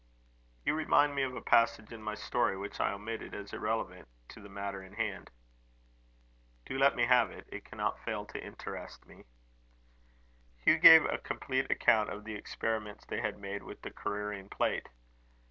"You remind me of a passage in my story which I omitted, as irrelevant to the matter in hand." "Do let me have it. It cannot fail to interest me." Hugh gave a complete account of the experiments they had made with the careering plate.